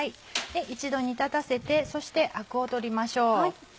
一度煮立たせてそしてアクを取りましょう。